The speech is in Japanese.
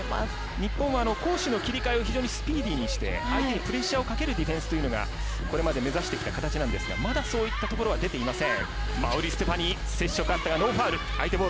日本は攻守の切り替えをスピーディーにして相手にプレッシャーをかけるディフェンスというのがこれまで目指してきた形ですがまだ、そういったところは出ていません。